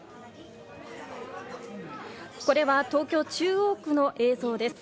これは東京・中央区の映像です。